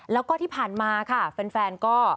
แล้วก็ที่ผ่านมาค่ะแฟนก็